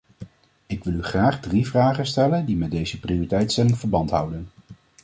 Ik wil u graag drie vragen stellen die met deze prioriteitstelling verband houden.